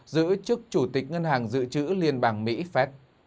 giữ chức chủ tịch ngân hàng dự trữ liên bang mỹ fed